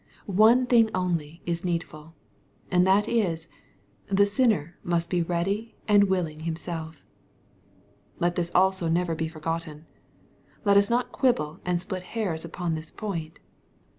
COne thing only is needful^and that is, the sinner must be ready and willing himself, Let this also never be forgotten. Let us not quibble and split hairs upon this point.